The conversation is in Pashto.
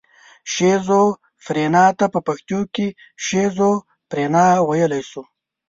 شیزوفرنیا ته په پښتو کې شیزوفرنیا ویلی شو.